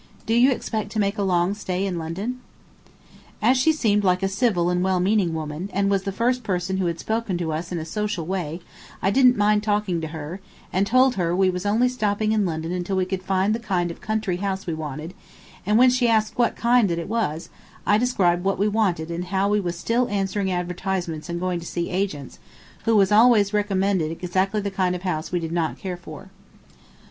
Do you expect to make a long stay in London?" As she seemed like a civil and well meaning woman, and was the first person who had spoken to us in a social way, I didn't mind talking to her, and I told her we was only stopping in London until we could find the kind of country house we wanted, and when she asked what kind that was, I described what we wanted and how we was still answering advertisements and going to see agents, who was always recommending exactly the kind of house we did not care for.